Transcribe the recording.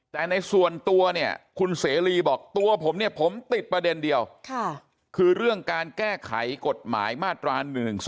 แต่ในส่วนตัวเนี่ยคุณเสรีบอกตัวผมเนี่ยผมติดประเด็นเดียวคือเรื่องการแก้ไขกฎหมายมาตรา๑๔